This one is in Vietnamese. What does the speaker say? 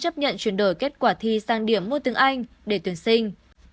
và kết quả thi sang điểm mua tiếng anh để tuyển sinh